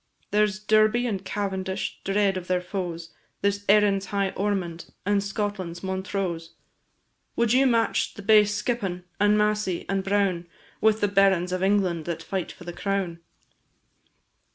There 's Derby and Cavendish, dread of their foes; There 's Erin's high Ormond, and Scotland's Montrose! Would you match the base Skippon, and Massey, and Brown, With the barons of England that fight for the crown?